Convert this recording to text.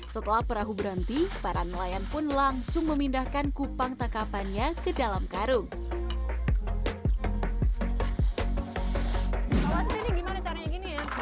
setelah perahu berhenti para nelayan pun langsung memindahkan kupang tangkapannya ke dalam karung